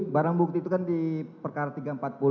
barang bukti itu kan di perkara tiga ratus empat puluh